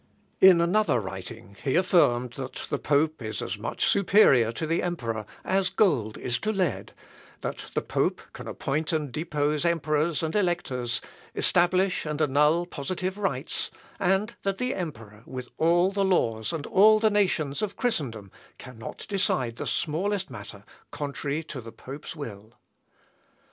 In another writing he affirmed, that the pope is as much superior to the emperor as gold is to lead; that the pope can appoint and depose emperors and electors, establish and annul positive rights; and that the emperor, with all the laws and all the nations of Christendom, cannot decide the smallest matter contrary to the pope's will.